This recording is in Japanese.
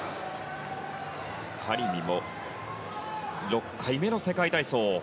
カリミも６回目の世界体操。